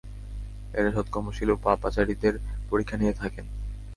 এরা সৎকর্মশীল ও পাপাচারীদের পরীক্ষা নিয়ে থাকেন।